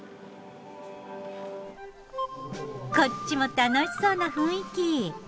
こっちも楽しそうな雰囲気。